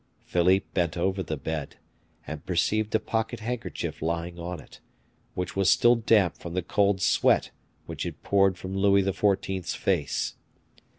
Philippe bent over the bed, and perceived a pocket handkerchief lying on it, which was still damp from the cold sweat which had poured from Louis XIV.'s face.